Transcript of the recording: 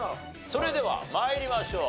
それでは参りましょう。